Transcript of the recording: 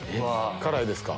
辛いですか？